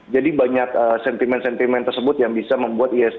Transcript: jadi banyak sentimen sentimen tersebut yang bisa membuat ihsg